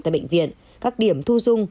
tại bệnh viện các điểm thu dung